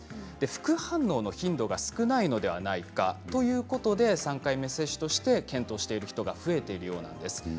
副反応の頻度が少ないのではないかということで３回目接種として検討している人が増えているようなんです。